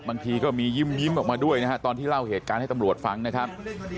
บางทีก็มียิ้มออกมาด้วยนะฮะตอนที่เล่าเหตุการณ์ให้ตำรวจฟังนะครับ